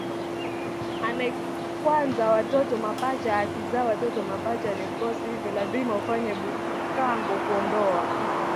ainakwanza watoto mapacha Ukizaa watoto mapacha ni mkosi hivyo lazima ufanye bhukango kuondoa